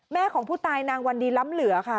แม่ของผู้ตายนางวัณฑีล้ำเหลือ